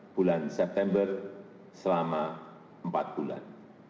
bulan september selama empat bulan